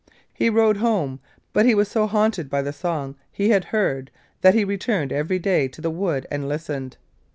He rode home, but he was so haunted by the song he had heard that he returned every day to the wood and listened.